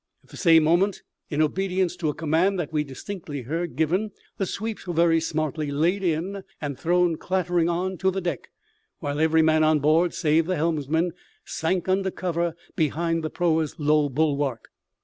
At the same moment, in obedience to a command that we distinctly heard given, the sweeps were very smartly laid in and thrown clattering on to the deck, while every man on board, save the helmsman, sank under cover behind the proa's low bulwark.